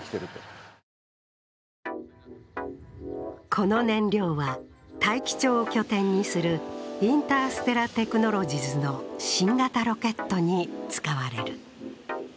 この燃料は、大樹町を拠点にするインターステラテクノロジズの新型ロケットに使われる。